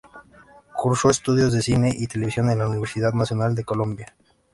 Cursó estudios de cine y televisión en la Universidad Nacional de Colombia.